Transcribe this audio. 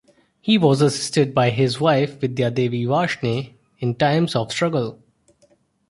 He was assisted by his wife Vidya Devi Varshney in times of struggle.